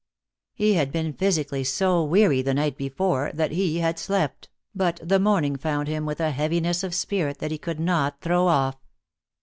He had been physically so weary the night before that he had slept, but the morning found him with a heaviness of spirit that he could not throw off.